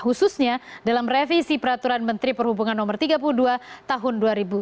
khususnya dalam revisi peraturan menteri perhubungan no tiga puluh dua tahun dua ribu dua puluh